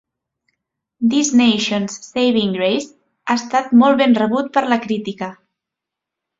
"This Nation's Saving Grace" ha estat molt ben rebut per la crítica.